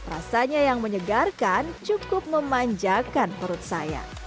rasanya yang menyegarkan cukup memanjakan perut saya